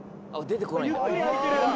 ゆっくり開いてる。